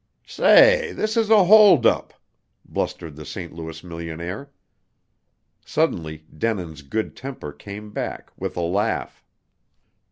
"Say, this is a holdup!" blustered the St. Louis millionaire. Suddenly Denin's good temper came back, with a laugh.